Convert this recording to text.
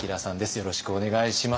よろしくお願いします。